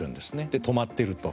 で、止まっていると。